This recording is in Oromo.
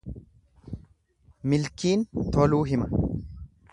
Milkiin toluu hima.